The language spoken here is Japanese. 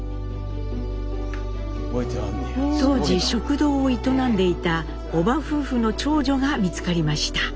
当時食堂を営んでいた叔母夫婦の長女が見つかりました。